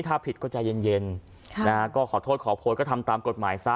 ถ้าผิดก็ใจเย็นก็ขอโทษขอโพยก็ทำตามกฎหมายซะ